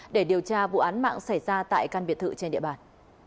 để điều tra vụ án mạng xảy ra tại căn biệt thự trên địa bàn